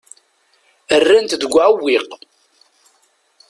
Rran-t deg uɛewwiq.